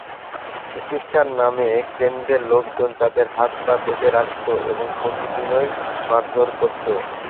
চিকিৎসার নামে কেন্দ্রের লোকজন তাঁদের হাত-পা বেঁধে রাখত এবং প্রতিদিনই মারধর করত।